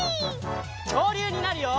きょうりゅうになるよ！